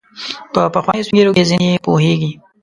په پخوانیو سپین ږیرو کې ځینې یې پوهیږي.